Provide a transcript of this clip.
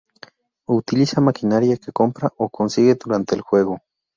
Utiliza maquinaria que compra o consigue durante el juego.